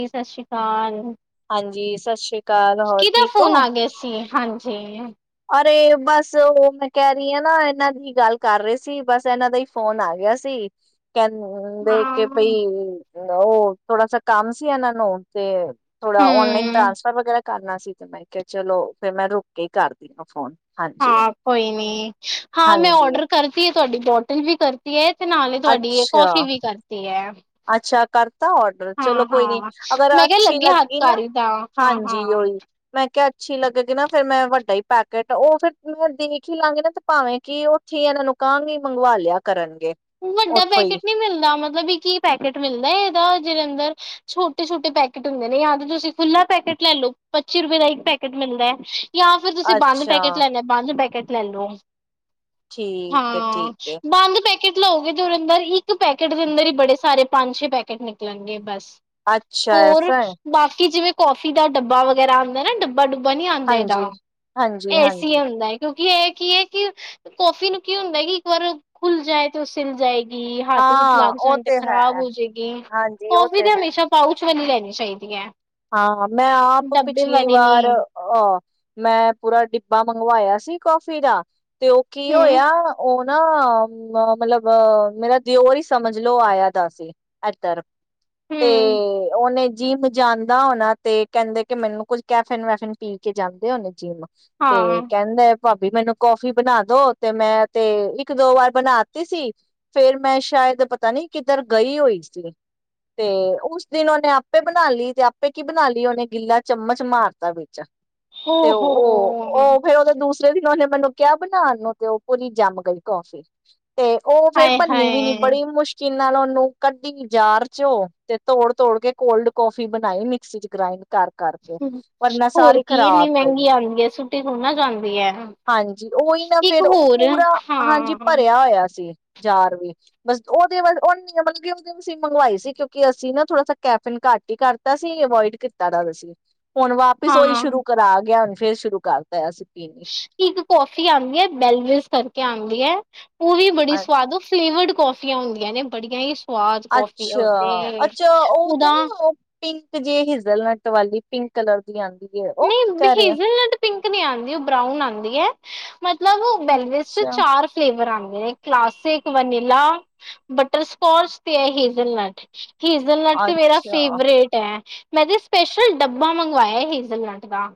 ਜੀ ਸਤਿ ਸ਼੍ਰੀ ਅਕਾਲ ਹਾਂਜੀ ਸਤ ਸ੍ਰੀ ਅਕਾਲ ਹੋਰ ਕਿਹਦਾ ਠੀਕ ਫੋਨ ਹੋ। ਆ ਗਿਆ ਸੀ ਹਾਂਜੀ ਅਰੇ ਬਸ ਉਹ ਮੈਂ ਕਹਿ ਰਹੀ ਹ ਨਾ ਇਹਨਾਂ ਦੀ ਗੱਲ ਕਰ ਰਹੇ ਸੀ ਬਸ ਇਹਨਾਂ ਦਾ ਹੀ ਫੋਨ ਆ ਗਿਆ ਸੀ। ਕਹਿੰਦੇ ਕੇ ਹਾਂ ਬਈ ਉਹ ਥੋੜਾ ਸਾ ਕੰਮ ਸੀ ਇਹਨਾਂ ਨੂੰ ਤੇ ਥੋੜਾ ਔਨਲਾਈਨ ਹਮ ਟਰਾਂਸਫਰ ਵਗੈਰਾ ਕਰਨਾ ਸੀ ਤੇ ਮੈਂ ਕਿਹਾ ਚਲੋ ਫੇਰ ਮੈਂ ਰੁਕੇ ਕੇ ਕਰ ਫੋਨ ਹਾਂ ਕੋਈ ਨਹੀਂ ਹਾਂ ਮੈਂ ਹਾਂਜੀ ਔਡਰ ਕਰਦੀ ਤੁਹਾਡੀ ਬੋਟਲ ਵੀ ਕਰਤੀ ਹੈ। ਤੇ ਨਾਲ ਹੀ ਤੁਹਾਡੀ ਇਹ ਅੱਛਾ ਕੌਫੀ ਵੀ ਕਰਤੀ ਹੈ। ਅੱਛਾ ਕਰਤਾ ਔਡਰ ਚਲੋ ਹਾਂ ਕੋਈ ਨੀ ਹਾਂ ਅਗਰ ਮੈਂ ਕਿਹਾ ਅੱਛੀ ਲੱਗੇ ਲੱਗੀ ਨਾ ਹੱਥਕਾਰੀ ਦਾ ਹਾਂ ਹਾਂਜੀ ਹਾਂ ਓਹੀ ਮੈਂ ਮੈਂ ਕਿਹਾ ਅੱਛੀ ਲੱਗੇਗੀ ਨਾ ਫੇਰ ਮੈਂ ਵੱਡਾ ਹੀ ਪੈਕੇਟ ਉਹ ਫਿਰ ਮੈਂ ਦੇਖ ਹੀ ਲਾਂਗੀ ਨਾ ਤੇ ਭਾਵੇਂ ਕਿ ਉੱਥੇ ਇਹਨਾਂ ਨੂੰ ਕਹਾਂਗੇ ਮੰਗਵਾ ਲਿਆ ਕਰਨ। ਵੱਡਾ ਪੈਕੇਟ ਨੀ ਮਿਲਦਾ ਮ ਮਤਲਬ ਇਕ ਹੀ ਪੈਕੇਟ ਮਿਲਦਾ ਹੈ ਇਹਦਾ ਜਿਹੜੇ ਅੰਦਰ ਛੋਟੇ-ਛੋਟੇ ਪੈਕੇਟ ਹੁੰਦੇ ਨੇ ਯਾ ਤੇ ਤੁਸੀਂ ਖੁੱਲਾ ਪੈਕੇਟ ਲੈ ਲੋ ਪੱਚੀ ਰੁਪਏ ਦਾ ਇੱਕ ਪੈਕੇਟ ਮਿਲਦਾ ਹੈ। ਯਾ ਫਿਰ ਤੁਸੀਂ ਬੰਦ ਅੱਛਾ ਪੈਕੇਟ ਲੈਣਾ ਬੰਦ ਪੈਕੇਟ ਲੈ ਲਓ। ਠੀਕ ਹੈ ਹਾਂ ਠੀਕ ਹੈ ਬੰਦ ਪੈ ਪੈਕੇਟ ਲਓਗੇ ਤੇ ਉਹਦੇ ਅੰਦਰ ਇੱਕ ਪੈਕੇਟ ਦੇ ਅੰਦਰ ਹੀ ਬੜੇ ਸਾਰੇ ਪੰਜ ਛੇ ਪੈਕੇਟ ਨਿਕਲਣਗੇ ਬਸ। ਅੱਛਾ ਹੋਰ ਐਸਾ ਹੈ ਬਾਕੀ ਜਿਵੇਂ ਕੌਫੀ ਦਾ ਡੱਬਾ ਵਗੈਰਾ ਆਉਂਦੇ ਨਾ ਡੱ ਡੱਬਾ-ਡੂਬਾ ਨੀ ਆਉਂਦਾ ਹਾਂਜੀ ਇਹਦਾ ਹਾਂਜੀ ਏਸੀ ਹਾਂਜੀ ਹੁੰਦਾ ਕਿਉਂ ਇਹ ਕੀ ਹੈ ਕਿ ਕੌਫੀ ਨੂੰ ਕੀ ਹੁੰਦਾ ਕਿ ਇੱਕ ਵਾਰ ਖੁੱਲ ਜਾਏ ਤੁ ਸੀਲ ਜਾਏ ਹੱਥ-ਹੂੱਥ ਹਾਂ ਲੱਗ ਉਹ ਜਾਣ ਤੇ ਹੈ ਖਰਾਬ ਹੋ ਜਾਏਗੀ ਹਾਂਜੀ ਉਹ ਕੌਫੀ ਤੇ ਹੈ ਹਮੇਸ਼ਾ ਪਾਊਚ ਵੀ ਲੈ ਚਾਹੀਦੀ ਹੈ। ਹਾਂ ਮੈਂ ਆਪ ਡੱਬੇ ਪਿਛਲੀ ਵਾਲੀ ਨੀ ਵਾਰ ਅਹ ਮੈਂ ਪੂਰਾ ਡਿੱਬਾ ਮੰਗਵਾਇਆ ਸੀ ਕੌਫੀ ਦਾ ਤੇ ਉਹ ਕੀ ਹਮ ਹੋਇਆ ਉਹ ਨਾ ਮਤਲਬ ਮੇਰਾ ਦਿਓਰ ਹੀ ਸਮਝ ਲੋਓ ਆਇਆ ਤਾਂ ਸੀ ਇਧਰ। ਤੇ ਹਮ ਉਹਨੇ ਜੀਮ ਜਾਨ ਨਾ ਹੋਣਾ ਤੇ ਕਹਿੰਦੇ ਕਿ ਮੈਨੂੰ ਕੁੱਝ ਕੈਫਿਨ-ਵੈਫਿਨ ਪੀ ਕੇ ਜਾਂਦੇ ਹੋਣੇ ਜਿੰਮ। ਹਾਂ ਤੇ ਕਹਿੰਦੇ ਭਾਬੀ ਮੈਨੂੰ ਕੌਫੀ ਬਣਾ ਦੋ ਤੇ ਮੈਂ ਤੇ ਇੱਕ ਦੋ ਵਾਰ ਬਣਾਤੀ ਸੀ ਫੇਰ ਮੈਂ ਸ਼ਾਇਦ ਪਤਾ ਨੀ ਕਿੱਧਰ ਗਈ ਹੋਈ ਸੀ ਤੇ ਉਸ ਦਿਨ ਉਹਨੇ ਆਪੇ ਬਣਾ ਲਈ ਤੇ ਕੀ ਬਣਾ ਲਈ ਉਹਨੇ ਗਿੱਲਾ ਚਮਚ ਮਾਰਤਾ ਵਿੱਚ। ਓ ਤੇ ਹੋ ਹੋ ਉਹ-ਉਹ ਫਿਰ ਦੂਸ ਪਿਛਲੇ ਦਿਨ ਉਹਨੇ ਮੈਨੂੰ ਕਿਹਾ ਚਾ ਬਣਾਉਣ ਲਗੇ ਹੋ ਤੇ ਉਹ ਪੂਰੀ ਜੰਮ ਗਈ ਕੌਫੀ। ਤੇ ਉਹ ਫੇਰ ਹਾਏ ਬੰਨੀ ਵੀ ਨੀ ਹਾਏ ਬੜੀ ਮੁਸ਼ਕਿਲ ਇਨਾ ਉਹਨੂੰ ਕੱਢੀ ਜਾਰ ਚੋ ਤੇ ਤੋੜ-ਤੋੜ ਕੇ ਕੋਲਡ ਕੌਫੀ ਬਈ ਮਿਕਸੀ ਚ ਗਰਾਇੰਡ ਕਰ ਕਰ-ਕਰਕੇ ਪਰ ਨਾ ਹੋਰ ਸਾਰੀ ਕੀ ਇੰਨੀ ਖ਼ਰਾਬ ਗਈ ਮਹਿੰਗੀ ਆਉਂਦੀ ਹੈ ਸੁੱਟੀ ਥੋੜੀ ਨਾ ਜਾਂਦੀ ਹੈ। ਹਾਂਜੀ, ਉਹੀ ਨਾ ਇੱਕ ਫਿਰ ਉਹ ਹੋਰ ਪੂਰਾ ਹਾਂਜੀ ਹਾਂ ਭਰਿਆ ਹੋਇਆ ਸੀ। ਜਾਰ ਵੀ ਬਸ ਉਹਦੇ ਉਹਨੀ ਮਤਲਬ ਕਿ ਉਹਦੇ ਅਸੀਂ ਮੰਗਵਾਈ ਸੀ ਕਿਉਂਕਿ ਅਸੀਂ ਨਾ ਥੋੜਾ ਕੈਫਿਨ ਘੱਟ ਹੀ ਕਰ ਅਸੀਂ ਅਵੋਇਡ ਕੀਤਾ [unintelligible] ਹੁਣ ਵਾਪਿਸ ਉ ਹੀ ਹਾਂ ਸ਼ੁਰੂ ਕਰਾ ਗਿਆ ਫੇਰ ਸ਼ੁਰੂ ਕਰਤਾ ਅਸੀ। ਇੱਕ ਕਫੀ ਆਉਂਦੀ ਹੈ ਬੈਲਵਿਸ ਕਰਕੇ ਆਉਂਦੀ ਵਧਿਆ ਹੈ। ਉਹ ਵੀ ਬੜੀ ਸਵਾਦ, ਫਲੇਵਰਡ ਕਫੀਆਂ ਹੁੰਦੀਆਂ ਨੇ। ਬੜੀਆਂ ਹੀ ਸਵਾਦ ਕੌਫੀ ਆ ਉਹ ਤੇ ਅੱਛਾ-ਅੱਛਾ ਉਹ ਤੇ ਉਹਦਾ ਨੀ ਪਿੰਕ ਜੇ ਹਿਜ਼ਲ ਨਟ ਵਾਲੀ ਪਿੰਕ ਕਲਰ ਦੀ ਆਉਂਦੀ। ਹੈ ਉਹ ਨਹੀਂ ਕਹਿ ਰਹੇ ਆ ਹੇਜ਼ਲ ਨਟ ਪਿੰਕ ਨਹੀਂ ਆਉਂਦੀ ਉਹ ਬਰਾਊਨ ਆਉਂਦੀ ਹੈ। ਮਤਲਬ, ਬੇਲਵਰ ਚ ਅੱਛਾ ਚਾਰ ਫਲੇਵਰ ਆਂ ਕਲਾਸਿਕ, ਵਨੀਲਾ, ਬਟਰਸੋਚ ਤੇ ਹੈ ਹੇਜਲਨਟ। ਹੇਜ਼ਲਨਟ ਤੇ ਮੇਰਾ ਅੱਛਾ ਫੇਵਰੇਟ ਹੈ। ਮੈਂ ਤੇ ਸਪੈਸ਼ਲ ਡੱਬਾ ਮੰਗਵਾਇਆ ਸੀ। ਹੇਜੱਲ ਨਟ ਦਾ।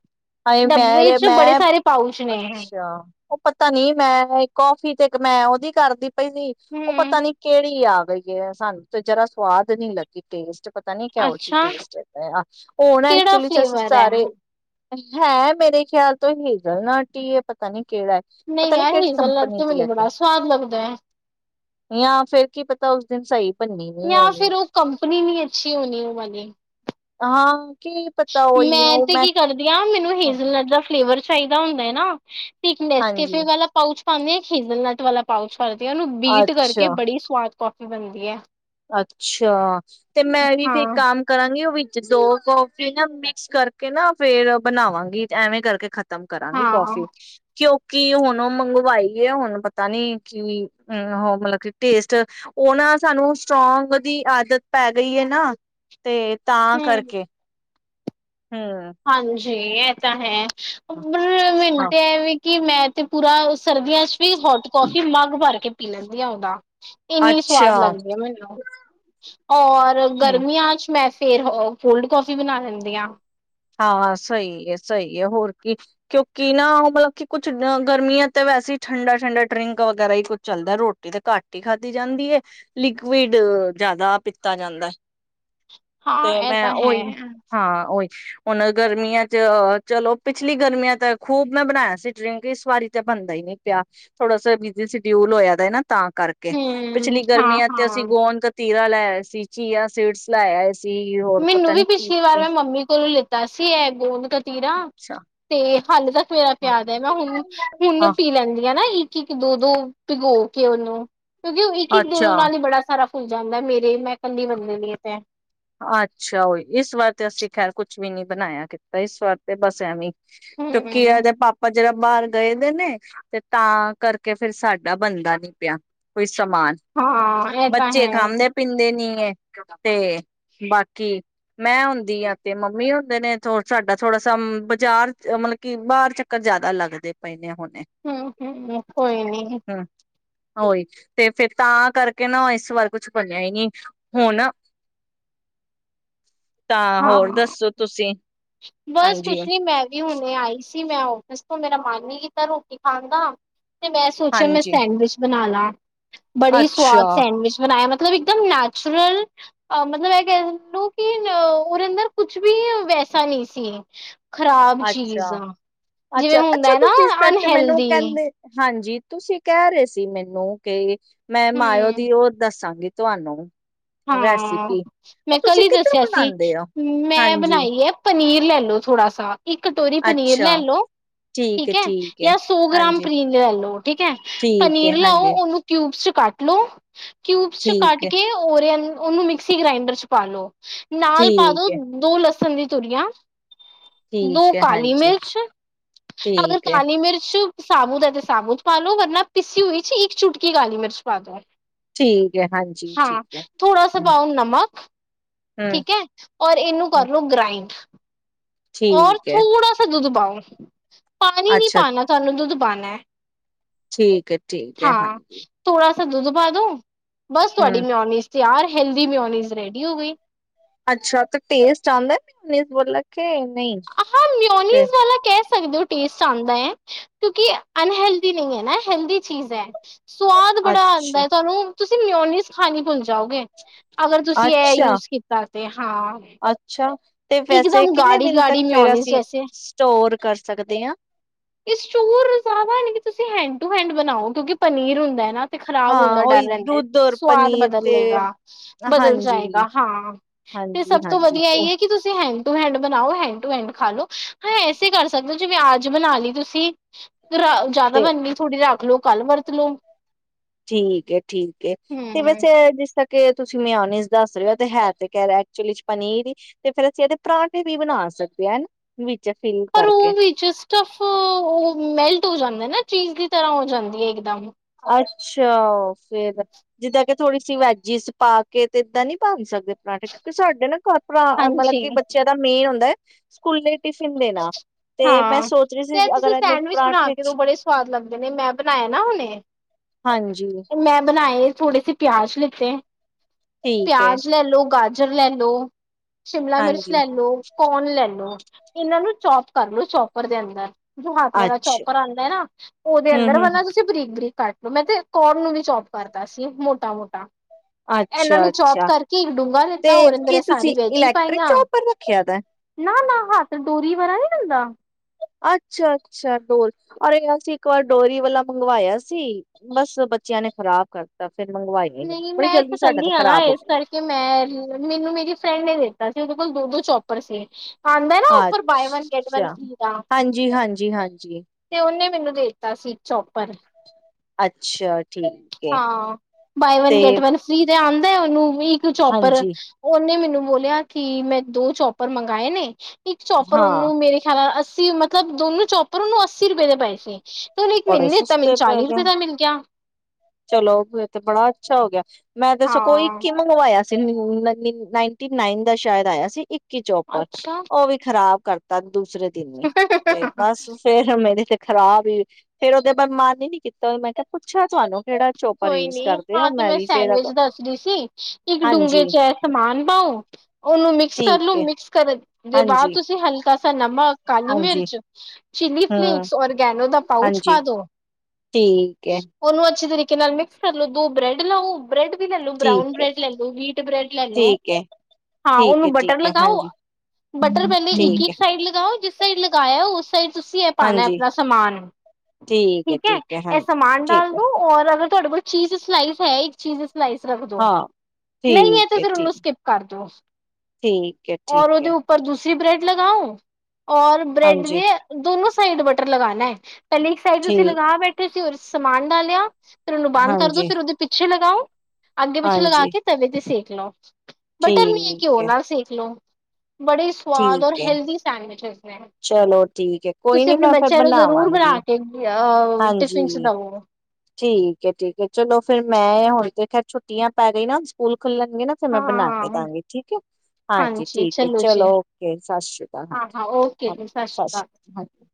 ਹ ਡੱਬੇ ਮੈਂਹਾ ਚ ਬੜੇ ਮੈਂ ਸਾਰੇ ਪਾਊਚ ਨੇ। ਅੱਛਾ, ਉਹ ਪਤਾ ਨੀ ਮੈਂ ਕਾਫੀ ਤੇ ਮੈਂ ਉਹਦੀ ਕਰਦੀ ਪਈ ਸੀ ਉਹ ਹੂੰ ਪਤਾ ਨੀ ਕਿਹੜੀ ਆ ਬਈ ਹੈ ਸਾਨੂੰ ਤੇ ਜਰਾ ਸਵਾਦ ਨੀ ਲੱਗੀ ਟੇਸਟ ਪਤਾ ਨੀ ਕਿਹਾਉਹ ਜੀ ਅੱਛਾ ਟੇਸਟ ਹੈ ਉਹ ਨਾ ਕਿਹੜਾ ਐਕਚੁਲੀ ਔ ਨਾ ਅਸੀ ਫਲੇਵਰ ਐ? ਸਾਰੇ ਹੈ ਮੇਰੇ ਖਿਆਲ ਤੋਂ ਹੇਜ਼ਲ ਨਟ ਹੀ ਹੈ ਪਤਾ ਨੀ ਕਿਹੜਾ ਹੈ, ਨਹੀਂ ਪਤਾ ਨੀ ਯਾਰ ਕਿਹੜੀ ਹੇਜ਼ਲਨਟ ਕੰਪਨੀ ਤੇ ਦੀ ਮੈਨੂੰ ਹੈਗੀ ਬੜਾ ਸਵਾਦ ਲੱਗਦਾ ਐ। ਜਾਂ ਫੇਿਰ ਕੀ ਪਤਾ ਤੈਨੂ ਸਹੀ ਬੰਨੀ ਨੀ ਜਾਂ ਹੋਣੀ ਫਿਰ ਉਹ ਕੰਪਨੀ ਨੀ ਅੱਛੀ ਹੋਣੀ ਉਹ ਵਾਲੀ। ਹਾਂ ਕੀ ਪਤਾ ਹੀ ਉਹ ਮੈਂ ਵਧੀਆ, ਮੈਨੂੰ ਹੇਜਲ ਨਟ ਦਾ ਫਲੇਵ ਚਾਹੀਦਾ ਹੁੰਦਾ ਨਾ ਸਕਨਸ ਹਾਂਜੀ ਕੈਫੇ ਵਾਲਾ ਪਾਊਚ ਹੀਜ਼ਨਨਾਟ ਵ ਵਾਲਾ ਪਾਉਚ ਕਰਦੀਆਂ ਉਹਨ ਨੂੰ ਬੀਟ ਕਰਕੇ ਅੱਛਾ ਬੜੀ ਸਵਾਦ ਕਾਫੀ ਬਣਦੀ ਹੈ ਅੱਛਾ ਤੇ ਮੈਂ ਵੀ ਫੇਰ ਹਾਂ। ਕੰਮ ਕਰਾਂਗੀ ਉਹ ਵੀ ਦੋ ਕੋਫੀ ਨਾ ਮਿਕਸ ਕਰਕੇ ਨਾ ਫੇਰ ਬਣਾਵਾਂਗੀ ਐਵੇਂ ਕਰਕੇ ਖ਼ਤਮ ਕਰਾਂਗੇ ਹਾਂ ਕੌਫੀ ਕਿਉਂਕਿ ਹੁਣ ਮੰਗਵਾਈ ਹੈ ਹੁਣ ਪਤਾ ਨੀ ਕਿ ਅਮ ਉਹ ਮਤਲਬ ਕਿ ਟੇਸਟ ਉਹ ਨਾ ਸਾਨੂੰ ਸਟਰੋਂਗ ਦੀ ਆਦਤ ਪੈ ਗਈ ਹੈ ਨਾ ਤੇ ਤਾਂ ਹਮ ਕਰਕੇ ਹਮ ਹਾਂਜੀ ਜੀ ਤਾਂ ਹੈ ਉਰ ਹਾਂ ਮਿੰਟ ਐ ਵੀ ਕਿ ਮੈਂ ਤੇ ਪੂਰਾ ਸਰਦੀਆਂ ਚ ਵੀ ਹੋਟ ਕਫੀ ਮਗ ਭਰ ਕੇ ਪੀ ਲੈਂਦੀ ਆ ਉਹਦਾ ਇੰਨੀ ਅੱਛਾ ਸਵਾਦ ਲੱਗਦੀ ਹੈ ਮੈਨੂੰ ਔਰ ਹਮ ਗਰਮੀਆਂ ਚ ਮੈ ਫੇਰ ਕੋਲਡ ਕਫੀ ਬਣਾ ਲੈਂਦੀ ਆ ਹਾਂ ਸਹੀ ਹੈ ਸਹੀ ਹੈ ਹੋਰ ਕੀ ਕਿਉਂਕਿ ਨਾ ਮਤਲਬ ਕਿ ਕੁਛ ਗਰਮੀਆਂ ਤੇ ਵੈਸੇ ਹੀ ਠੰਡਾ ਠੰਡਾ ਡਰਿੰਕ ਵਗੈਰਾ ਹੀ ਕੁਝ ਚੱਲਦਾ ਰੋਟੀ ਤਾਂ ਘੱਟ ਹੀ ਖਾਧੀ ਜਾਂਦੀ ਹੈ ਲਿਕੁਵਿਡ ਜ਼ਿਆਦਾ ਪੀਤਾ ਜਾਂਦਾ ਹੈ ਹਾਂ ਤੇ ਇਹ ਮੈਂ ਤਾਂ ਹੈ ਉਹੀ ਹਾਂ ਉਹੀ ਹੁਣ ਗਰਮੀਆਂ ਚ ਚਲੋ ਪਿਛਲੀ ਗਰਮੀਆਂ ਤਾਂ ਖੂਬ ਮੈਂ ਬਣਾਇਆ ਸੀ ਇਸ ਵਾਰੀ ਤਾਂ ਬਣਦਾ ਹੀ ਨਹੀਂ ਪਿਆ ਥੋੜਾ ਸ ਬਿਜ਼ੀ ਸਡਿਊਲ ਹੋਇਆ ਦਾ ਨਾ ਤਾਂ ਕਰਕੇ ਹਮ ਪਿਛਲੀ ਹਾਂ ਗਰਮੀਆਂ ਤੇ ਅਸੀਂ ਹਾਂ। ਗੋਣ ਗਤੀ ਲੈ ਸੀਚੀ ਸੀਟਸ ਲੈ ਸੀ ਹੋਰ ਮੈਨੂੰ ਪਤਾ ਵੀ ਨੀ ਕੀ ਪਿਛਲੀ ਵਾਰ ਕੀ ਮੈਂ ਮੰਮੀ ਕੋਲੋਂ ਲਿੱਤਾ ਸੀ ਹੈ ਗੂੰਦ ਕਤੀਰਾ ਅੱਛਾ ਤੇ ਹਾਂ ਤਾਂ ਮੇਰਾ ਹਾਂ ਪਿਆਦ ਹੈ ਮੈਂ ਹੁਣ ਹੁਣ ਹਾਂ, ਪੀ ਲੈਂਦੀ ਹਾਂ ਨਾ ਇੱਕ ਦੋ ਦੋ ਭਿਗੋ ਕੇ ਉਹਨੂੰ ਕਿਉਂਕਿ ਉਹ ਇੱਕ ਇੱਕ ਦੋ ਅੱਛਾ ਨਾਲ ਹੀ ਬੜਾ ਸਾਰਾ ਭੁੱਲ ਜਾਂਦਾ ਮੇਰੇ ਮੈਂ ਕੱਲੀ ਅੱਛਾ ਹੀ ਇਸ ਵਾਰ ਤੇ ਅਸੀਂ ਖੈਰ ਕੁਛ ਵੀ ਨੀ ਬਣਾਇਆ ਕੀਤਾ ਇਸ ਵਾਰ ਤੇ ਬਸਿਆ ਵੀ ਕਿਉਂਕਿ ਹਮ ਆਦੇ ਪਾਪਾ ਜਰਾ ਬਾਹਰ ਗਏ ਦੇ ਨੇ ਤੇ ਤਾਂ ਕਰਕੇ ਫੇਿਰ ਸਾਡਾ ਬੰਦਾ ਨੀ ਪਿਆ ਕੋਈ ਹਾਂ ਇਹ ਤਾਂ ਬੱਚੇ ਹੈ ਖਾਂਦੇ ਪੀਂਦੇ ਨੀ ਹੈ ਤੇ ਬਾਕੀ ਮੈਂ ਹੁੰਦੀ ਆਂ ਤੇ ਮੰਮੀ ਹੁੰਦੇ ਨੇ ਸਾਡਾ ਥੋੜਾ ਸ ਬਾਜ਼ਾਰ ਮਤਲਬ ਕਿ ਬਾਹਰ ਚੱਕਰ ਜਿਆਦਾ ਲੱਗਦੇ ਪਏ ਨੇ ਹੁਣ ਹਮ ਹਮ ਹਮ ਕੋਈ ਨੀ ਹਮ ਉਹੀ ਤੇ ਫੇਰ ਤਾਂ ਕਰਕੇ ਨਾ ਇਸ ਵਾਰ ਕੁਛ ਬੱਲਿਆ ਹੀ ਨਹੀਂ ਹੁਣ ਤਾਂ ਹਾਂ ਹੋਰ ਦੱਸੋ ਤੁਸੀਂ ਬਸ ਹਾਂਜੀ ਕੁਛ ਨੀ ਮੈਂ ਵੀ ਹੁਣੇ ਆਈ ਮੈਂ ਆਫਿਸਕ ਤੋਂ ਮੇਰਾ ਮਨ ਨੀ ਕੀਤਾ ਰੋਟੀ ਖਾਣ ਦਾ ਤੇ ਮੈਂ ਸੋਚਿਆ ਮੈਂ ਹਾਂਜੀ ਸੈਂਡਵਿਚ ਬਣਾ ਲਾ ਬੜੀ ਅੱਛਾ। ਸਵਾਦ ਸੈਂਡਵਿਚ ਬਣਾਇਆ ਮੈਂ ਮਤਲਬ ਇੱਕਦਮ ਨੈਚੁਰਲ ਮਤਲਬ ਕਹਿ ਨੂੰ ਕਿ ਉਹਦੇ ਅੰਦਰ ਕੁਛ ਵੀ ਵੈਸ ਸੰਨੀ ਸੀ ਖਰਾਬ ਅੱਛਾ ਚੀਜ਼ ਜਿਵੇਂ ਅੱਛਾ ਹੁੰਦਾ ਅੱਛਾ ਹੈ ਨਾ ਤੁਸੀਂ ਸੱਚ ਮੈਨੂੰ ਅਨਹੈਲਦੀ ਕਹਿੰਦੇ ਹਾਂਜੀ ਤੁਸੀਂ ਕਹਿ ਰਹੇ ਸੀ ਮੈਨੂੰ ਕਿ ਮੈਂ ਮਾਇਓ ਹਮ ਦੀ ਉਹ ਦੱਸਾਂਗੀ ਤੁਹਾਨੂੰ ਹਾਂ ਰੈਸਿਪੀ। ਮੈਂ ਉਹ ਤੁਸੀਂ ਕੱਲੀ ਕਿੱਦਾਂ ਦੱਸਿਆ ਸੀ ਬਣਾਉਂਦੇ ਹੋ? ਮੈਂ ਹਾਂਜੀ, ਬਣਾਈ ਹੈ ਪਨੀਰ ਲੈ ਲੋ ਥੋੜਾ ਸਾ ਇੱਕ ਕਟੋਰੀ ਪਨੀਰ ਅੱਛਾ ਲੈ ਲਓ ਠੀਕ ਹੈ ਜਾਂ ਸੌ ਗ੍ਰਾਮ ਪਨੀਰ ਲੈ ਲਓ ਠੀਕ ਹੈ ਠੀਕ ਹੈ, ਪਨੀਰ ਲੈਓ ਹਾਂਜੀ, ਉਹਨੂੰ ਕਿਊਬ ਚ ਕੱਟ ਲੋ ਕਿਊਬਸ ਚ ਕੱਟ ਠੀਕ ਹੈ, ਕੇ ਉਹਨੂੰ ਮਿਕਸੀ ਗ੍ਰੈਂਡਰ ਚ ਪਾਲ ਲੋ ਨਾਲ ਪਾ ਦੋ ਠੀਕ ਹੈ, ਦੋ ਲ ਸਜੀ ਤੁਰਿਆ ਦੋ ਠੀਕ ਹੈ, ਕਾਲੀ ਹਾਂਜੀ। ਮਿਰਚ ਅਗਰ ਠੀਕ ਹੈ, ਕਾਲੀ ਮਿਰਚ ਸਾਬੁ ਦਾ ਤੇ ਸਾਬੂ ਚ ਪਾਲੋ ਵਰਨਾ ਪਿੱਸੀ ਹੋਈ ਚ ਇੱਕ ਚੁਟਕੀ ਕਾਲੀ ਮਿਰਚ ਪਾ ਦੋ ਠੀਕ ਹੈ, ਹਾਂਜੀ, ਹਾਂ ਠੀਕ ਹੈ, ਥੋੜਾਸ ਹੂੰ, ਪਾਊ ਨਮਕ ਹੂੰ, ਠੀਕ ਹੈ ਔਰ ਇਹਨੂੰ ਹੂੰ, ਕਰਲੋ ਗ੍ਰਾਈੰਡ ਔਰ ਠੀਕ ਹੈ। ਥੋੜਾ ਸ ਦੁੱਧ ਪਾਓ ਹਮ ਪਾਣੀ ਨੀ ਅੱਛਾ, ਪਾਉਣਾ ਤੁਹਾਨੂੰ ਦੁੱਧ ਬਣੇ ਠੀਕ ਹੈ, ਠੀਕ ਹੈ, ਹਾਂਜੀ। ਸੱ ਦੂ ਤੋਂ ਬਾਅਦੋ ਬਸ ਹੂੰ। ਤੁਹਾਡੀ ਮੈਂ ਆਉਣੀ। ਯਾਰ ਹੈਲਦੀ ਮਿਓਨੀਜ਼ ਰੈਡੀ ਹੋ ਗਈ। ਅੱਛਾ। ਤੇ ਟੇਸਟ ਆਉਂਦਾ ਨ ਉਨੀ ਬੋਲ ਕੇ ਨਹੀਂ ਹਾਂ, ਫੇਰ ਨਿਓਨੀਜ਼ ਵਾਲਾ ਕਹਿ ਸਕਦੇ ਹੋ। ਟੇਸਟ ਆਂਦਾ ਹੈ। ਕਿਉਂਕਿ ਅਨਹੈਲਦੀ ਨਹੀਂ ਹੈ, ਨਾ ਹੈਲਦੀ ਚੀਜ਼ ਹੈ। ਸਵਾਦ ਬੜਾ ਅੱਛਾ, ਆਉਂਦਾ ਏ ਤੁਹਾਨੂੰ। ਤੁਸੀਂ ਮਿਉਨੀਜ ਖਾਨੀ ਭੂਲ ਜ ਜਾਓਗੇ, ਅਗਰ ਤੁਸੀਂ ਇਹ ਅੱਛਾ, ਯੂਜ ਕੀਤਾ, ਅੱਛਾ। ਤੇ ਇਕ ਵੈਸੇ ਦਮ ਕਿੰਨੇ ਦਿਨ ਤੱਕ ਗਾੜੀ-ਗਾੜੀ ਫੇਰ ਮਿਉਨਜ ਅਸੀਂ ਜੈਸੇ, ਸਟੋਰ ਕਰ ਸਕਦੇ ਆਂ? ਇਸ ਚੂਰ ਨ ਤੁਸੀਂ ਹੈ ਟੂ ਹੈਂਡ ਬਣਾਓ, ਕਿਉਂਕਿ ਪਨੀਰ ਹੁੰਦਾ ਐ ਨਾ। ਤੇ ਖ਼ਰਾਬ ਹੋਣ ਹਾਂ ਦਾ ਡਰ ਉਹੀ ਰਹਿੰਦਾ, ਦੁੱਧ ਔਰ ਸਵਾਦ ਪਨੀਰ ਬਦਲ ਤੇ ਲਏਗਾ ਬਦਲ ਹਾਂਜੀ, ਜਾਏਗਾ ਹਾਂ, ਤੇ ਸਭ ਹਾਂਜੀ, ਤੋਂ ਹਾਂਜੀ ਵਧੀਆ ਇਹ ਉਹ ਹੈ ਕਿ ਕਿ ਤੁਸੀਂ ਹੈਂਡ ਟੂ ਹੈਂਡ ਬਣਾਓ, ਹੈਂਡ ਟੂ ਹੈਂਡ ਖਾ ਲੋ, ਹਾਂ ਐਸੇ ਕਰ ਸਕਦੇ ਹੋ, ਜਿਵੇਂ ਆਜ ਬਣਾ ਲਈ ਤੁਸੀਂ ਜ਼ਿਆਦਾ ਤੇ ਮੰਨਨੀ ਥੋੜ੍ਹੀ ਰੱਖ ਲੋ ਕੱਲ ਵਰਤ ਲੇ ਠੀਕ ਹੈ। ਠੀਕ ਹੈ, ਤੇ ਬਸ ਜਿਸ ਤੱਕ। ਕੇ ਤੁਸੀਂ ਮੈਂ ਮਿਉਨੀਜ ਦੱਸ ਰਹੇ ਹੋ, ਤੇ, ਹੈ, ਤੇ ਕਹਿ ਰਿਹਾ ਐਕਚੁਲੀ ਚ ਪਨੀਰ ਹੀ, ਤੇ ਫੇਰ ਅਸੀਂ ਇਹਦੇ ਪਰਾਂਠੇ ਵੀ ਬਣਾ ਸਕਦੇ ਹਾਂ। ਹਨਾ ਫਿਲ ਪਰ ਕਰਕੇ। ਉਹ ਵੀ, ਜਸਟ ੳਫ ਅਅ ਮੈਲਟ ਹੋ ਜਾਂਦੇ ਨਾ। ਚੀਜ਼ ਦੀ ਤਰ੍ਹਾਂ ਹੋ ਜਾਂਦੀ ਹੈ, ਇਕਦਮ। ਅੱਛਾ! ਫੇਰ ਜਿੱਦਾਂ ਕਿ ਥੋੜੀ ਸੀ ਵੈਜਿਸ ਪਾ ਕੇ, ਤੇ ਐਦਾਂ ਨਹੀਂ ਪਾ ਸਕਦੇ, ਪਰਾਂਠੇ ਕਿਉਂਕਿ ਸਾਡੇ ਨਾ ਘਰ ਭਰਾ ਮਤਲਬ ਹਾਂਜੀ ਕਿ ਬੱਚਿਆਂ ਦਾ ਮੇਨ ਹੁੰਦਾ ਹੈ। ਸਕੂਲ ਦੇ ਹਾਂ, ਸੀ ਤੇ ਅਗਰ ਤੁਸੀਂ ਇਹਨੂੰ ਸੈਂਡਵਿਚ ਬਣਾ ਪਰਾਂਠੇ ਕੇ ਦੋ ਚ ਬੜੇ ਸਵਾਦ ਲੱਗਦੇ ਨੇ। ਮੈਂ ਬਣਾਏ ਨਾ ਹੁਣੇ। ਹਾਂਜੀ ਮੈਂ ਬਣਾਏ ਥੋੜੇ ਸੇ ਪਿਆਜ। ਲੀ ਤੇ ਠੀਕ ਹੈ ਪਿਆਜ ਲੈ ਲੋੋ ਗਾਜ ਸਜ਼ਰਲੈਂਡੋ ਸ਼ਿਮਲਾ ਮਿਰਚ ਹਾਂਜੀ ਲੈ ਲੋ, ਕੋਨ ਲੈ ਲੋ। ਚੋਪ ਕਰ ਲ, ਚੋਪਰ ਦੇ ਅੰਦਰ। ਜੋ ਹੱਥ ਵਾਲਾ ਅੱਛਾ ਚੌਕਰ ਆਉਂਦਾ ਹੈ ਨਾ ਉਹਦੇ ਹਮ ਅੰਦਰ ਹਮ ਵੰਨਾ ਤੁਸੀਂ ਬਰੀਕ-ਬਰੀਕ। ਕੱਟ ਲੋ, ਮੈਂ ਤੇ ਕੋਨ ਨੂੰ ਵੀ ਚੋਪ ਕਰਦਾ ਸੀ ਮੋਟਾ-ਮੋਟਾ ਇਹਨਾਂ ਅੱਛਾ ਨੂੰ ਚੌਪ ਅੱਛਾ ਕਰਕੇ ਇੱਕ ਡੂੰਘਾ ਤੇ ਦਿੱਤਾ ਉਹਦੇ ਅੰਦਰ ਕੀ ਇਹ ਸਾਰੀ ਤੁਸੀਂ ਵੈਜੀ ਇਲੈਕਟ੍ਰਿਕ ਪਾਈਆਂ ਚੋਪਰ ਰੱਖਿਆ ਦਾ ਨਾਂ ਨਾਂ ਤੇ ਡੋਰੀ ਬਰਾ ਨੀਂ ਹੁੰਦਾ। ਅੱਛਾ ਅੱਛਾ, ਡੋਰੀ ਔਰ ਸੀ ਇੱਕ ਵਾਰ ਡੋਰੀ ਵਾਲਾ ਮੰਗਵਾਇਆ ਸੀ ਬਸ ਬੱਚਿਆਂ ਨੇ ਖ਼ਰਾਬ ਕਰਤਾ ਫਿਰ ਮੰਗਵਾਇਆ ਹੀ ਨਹੀਂ ਨ੍ਹੀਂ ਬੜੀ ਮੈਂ ਤੇ ਜਲਦੀ ਸਾਡਾ ਕਲ੍ਹੀ ਤਾਂ ਆ ਨਾ ਖ਼ਰਾਬ ਹੋ ਇਸ ਗਿਆ ਕਰਕੇ ਮੈਂ ਮੈਨੂੰ ਮੇਰੀ ਫਰੈਂਡ ਨੇ ਦੇ ਤਾ ਸੀ, ਉਦੇ ਕੋਲ਼ ਦੋ ਦੋ ਚੌਪਰ ਸੀ। ਆਂਦਾ ਨਾ offer buy one get one ਅੱਛਾ, ਫਰੀ ਦਾ ਹਾਂਜੀ-ਹਾਂਜੀ-ਹਾਂਜੀ, ਤੇ ਉਹਨੇ ਮੈਨੂੰ ਦੇਤਾ ਸੀ ਚੋਪਰ ਅੱਛਾ। ਠੀਕ ਏ। ਹਾਂ ਬਾਈ ਵਨ ਤੇ ਗਟ ਵਨ ਫ੍ਰੀ ਤੇ ਆਂਦੇ ਉਹਨੂੰ ਇੱਕ ਚੋਪਰ ਹਾਂਜੀ, ਉਨੇ ਮੈਨੂੰ ਬੋਲਿਆ ਕਿ ਮੈਂ ਦੋ ਚੌਪਰ ਮੰਗਵਾਏ ਨੇ ਇੱਕ ਚੋਪਰ ਹਾਂ ਉਹਨੂੰ ਮੇਰੇ ਖਿਆਲ ਨਾਂ ਅੱਸੀ ਮਤਲਬ ਦੋਨੋ ਚੌਪਰ ਉਹਨੂੰ ਅੱਸੀ ਰੁਪਏ ਦੇ ਪਏ ਸੀ ਤੇ ਉਨੇ ਇੱਕ ਬੜੇ ਮੈਨੂੰ ਦੇਤਾ ਮੈਨ ਸਸਤੇ ਪੈ ਚਾਲੀ ਰੁਪਏ ਗਏ। ਦਾ ਮਿਲ ਗਿਆ ਚਲੋ ਤੇ ਬੜਾ ਅੱਛਾ ਹੋ ਗਿਆ ਮੈਂ ਤਾਂ ਸਗੋਂ ਕੋਈ ਹਾਂ ਇੱਕ ਈ ਮੰਗਵਾਇਆ ਸੀ। ਨਂ ਨੰਨ੍ਹੀ ਨਾਈਨ ਟੀ ਨਾਈਨ ਦਾ ਸ਼ਾਇਦ ਆਇਆ ਸੀ। ਇੱਕੀ ਚੌਪੜ ਅੱਛਾ ਉਹ ਵੀ ਖ਼ਰਾਬ ਕਰ ਦੂਸਰੇ ਤੇ ਬਸ ਫੇਰ ਮੇਰੀ ਤੇ ਖ਼ਰਾਬ ਈ ਫੇਰ ਉਹਦੇ ਬਦ ਮਨ ਈ ਨੀ ਕੀਤਾ ਮੈਂ ਕਿਹਾ ਪੁੱਛਿਆ ਤੁਆਨੂੰ ਕੋਈ ਨੀਂ ਹਾਂ ਤੇ ਮੈਂ ਸੈਂਡਵਿਚ ਦੱਸਦੀ ਸੀ, ਇੱਕ ਹਾਂਜੀ ਡੂੰਘੇ ਚ ਐ ਸਮਾਨ ਪਾਓ ਉਹਨੂੰ ਮਿਕਸ ਕਰ ਲੋ ਠੀਕ ਏ, ਮਿਕਸ ਕਰ ਦੇ ਬਾਅਦ ਹਾਂਜੀ-ਹਾਂਜੀ, ਤੁਸੀਂ ਹਲਕਾ ਸ ਨਮਕ, ਕਾਲੀ ਮਿਰਚ ਚੀਲੀ ਹੂੰ, ਫਲੇਕਸ, ਔਰਗੈਨੋ ਦਾ ਪਾਊਚ ਹਾਂਜੀ। ਪਾ ਦੋ ਠੀਕ ਹੈ, ਉਨੂੰ ਅੱਛੀ ਤਰੀ ਕੇ ਨਾਲ ਮਿਕਸ ਕਰ ਲੂ ਦੋ ਬ੍ਰੈਡ ਲਊ ਤੇ ਬ੍ਰੈਡ ਵੀ ਲਲੋ ਬਰਾਊਨ ਠੀਕ ਹੈ, ਬ੍ਰੈਡ ਲਲੋ ਵੀਟ ਬ੍ਰੈਡ ਲਲੋ ਠੀਕ ਹੈ, ਹਾਂ, ਠੀਕ ਹੈ, ਉਹਨੂੰ ਬਟਰ ਠੀਕ ਹੈ, ਲਗਾਓ, ਹਾਂਜੀ ਬਟਰ ਪਹਿਲੇ ਠੀਕ ਇੱਕ-ਇੱਕ ਹੈ, ਸਾਈਡ ਲਗਾਓ ਜਿਸ ਸਾਈਡ ਲਗਾਇਆ ਉਸ ਸਹੀ ਤੁਸੀਂ ਇਹ ਪਾਣਾ ਹਾਂਜੀ ਆਪਣਾ ਸਮਾਨ ਹੈ, ਠੀਕ ਐ, ਹੈ, ਇਹ ਹਾਂਜੀ ਸਮਾਨ ਡਾਲ ਠੀਕ ਹੈ, ਦੋ ਔਰ ਤੁਆਡੇ ਕੋਲ ਚੀਜ਼ ਸਲਾਈਸ ਹੈ, ਇੱਕ ਚੀਜ਼ ਸ ਸਲਾਈਸ ਰੱਖ ਦੋ, ਹਾਂ ਨਈਂ ਏ ਠੀਕ ਤੇ ਹੈ, ਠੀਕ ਫਿਰ ਉਨੂੰ ਠੀਕ ਸਕਿਪ ਕਰ ਦੋ ਹੈ, ਔਰ ਠੀਕ ਉਹਦੇ ਹੈ, ਉੱਪਰ ਦੂਸ ਥ੍ਰੀ ਬ੍ਰੈਡ ਲਗਾਉ ਔਰ ਬ੍ਰੈਡ ਹਾਂਜੀ ਦੇ ਦੋਨੋ ਸਾਈਡ ਬਟਰ ਲਗਾਨਾ ਹੈ। ਪਹਿਲੇ ਇਕ ਸਾਈਡ ਤੁਸੀ ਠੀਕ ਲਗਾ ਬੈਠੇ ਸੀ। ਸਮਾਨ ਡਾਲਿਆ ਫੇਰ ਉਹਨੂੰ ਬੰਦ ਕਰੋ ਹਾਂਜੀ, ਫਿਰ ਉਹਦੇ ਪਿੱਛੇ [unintelligible] ਅੱਗੇ ਪਿੱਛੇ ਲਗਾ ਹਾਂਜੀ ਕੇ ਤਵੇ ਤੇ ਸੇਕ ਲੋ। ਬਟਰ ਨਹੀਂ ਹੈ ਘਿਓ ਨਾਲ ਸੇਕ ਲੋ। ਬੜੇ ਸਵਾਦ ਔਰ ਠੀਕ ਹੈ, ਹੈਲਦੀ ਸੈਂਡਵਿਚ ਨੇ। ਚਲੋ ਠੀਕ ਹੈ, ਕੋਈ ਤੁਸੀਂ ਨੀ ਆਪਣੇ ਮੈਂ ਫਿਰ ਬੱਚਿਆਂ ਨੂੰ ਜ਼ਰੂਰ ਬਣਾ ਬਣਾਵਾਂਗੀ ਕੇ ਅ ਟਿਫਿਨ ਚ ਹਾਂਜੀ। ਦਵੋ। ਠੀਕ ਏ, ਠੀਕ ਹੈ। ਚਲੋ ਫਿਰ ਮੈਂ ਹੁਣ ਤੇ ਖੈਰ ਛੁੱਟੀਆਂ ਪੈ ਗਈ ਨਾ ਸਕੂਲ ਖੁੱਲਣਗੇ ਨਾ ਫਿਰ ਮੈਂ ਹਾਂ ਬਣਾ ਕੇ ਹਾਂ ਦਾਂਗੀ ਠੀਕ ਹੈ। ਹਾਂਜੀ ਠੀਕ ਹੈ ਚਲੋ ਓਕੇ ਸਤਿ ਸ਼੍ਰੀ ਅਕਾਲ ਹਾਂ ਹਾਂਜੀ ਹਾਂ ਓਕੇ ਹਾਂ ਜੀ ਸਤਿ ਸ਼੍ਰੀ ਅਕਾਲ ਹਾਂਜੀ।